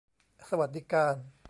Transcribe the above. สวัสดิการ